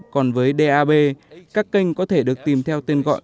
còn với dap các kênh có thể được tìm theo tên gọi